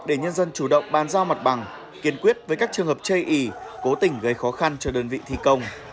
để nhân dân chủ động bàn giao mặt bằng kiên quyết với các trường hợp chây ý cố tình gây khó khăn cho đơn vị thi công